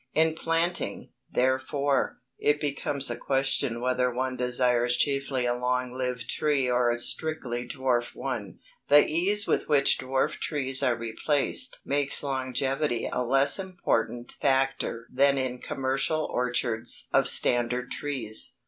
In planting, therefore, it becomes a question whether one desires chiefly a long lived tree or a strictly dwarf one. The ease with which dwarf trees are replaced makes longevity a less important factor than in commercial orchards of standard trees.